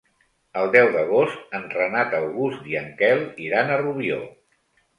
El deu d'agost en Renat August i en Quel iran a Rubió.